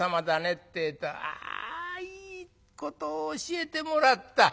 ってえと『あいいことを教えてもらった。